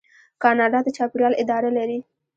کاناډا د چاپیریال اداره لري.